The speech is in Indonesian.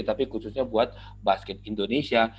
tapi khususnya buat basket indonesia